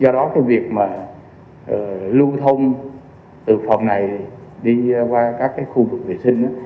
do đó cái việc mà lưu thông từ phòng này đi qua các cái khu vực vệ sinh